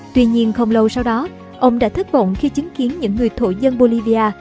tuy nhiên không lâu sau đó ông đã thất vọng khi chứng kiến những người thổ dân bolivia